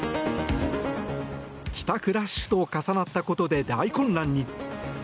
帰宅ラッシュと重なったことで大混乱に。